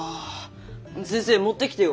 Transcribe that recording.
先生持ってきてよ！